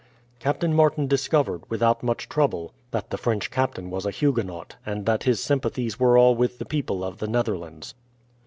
Captain Martin discovered, without much trouble, that the French captain was a Huguenot, and that his sympathies were all with the people of the Netherlands.